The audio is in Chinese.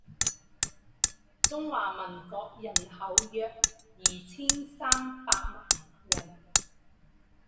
中华民国人口约二千三百万人